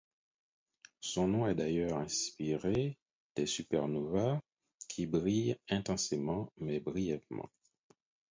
Son nom est d'ailleurs inspiré des supernovæ, qui brillent intensément mais brièvement.